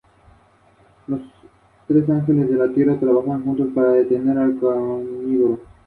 Camadas superior a estos números son raros.